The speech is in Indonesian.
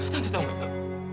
tante tahu tante